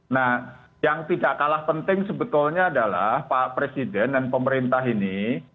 nah yang tidak kalah penting sebetulnya adalah pak presiden dan pemerintah ini